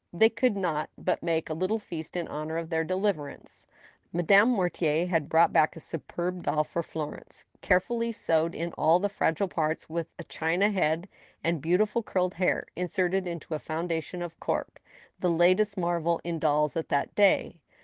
They could not but make a little feast in honor of their deliverance. Madame Mortier had brought back a superb doll for Florence, carefully sewed in all the fragile parts, with a china head and beau tiful curled hair, inserted into a foundation of cork, the latest marvel in dolls at that day.